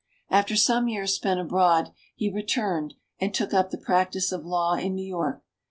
After some years spent abroad he returned and took up the practise of law in New York.